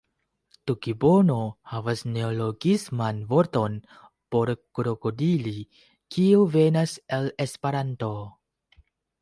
Tokipono havas neologisman vorton por krokodili, kiu venas el Esperanto.